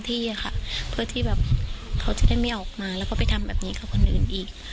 ที่ค่ะเพื่อที่แบบเขาจะได้ไม่ออกมาแล้วก็ไปทำแบบนี้กับคนอื่นอีก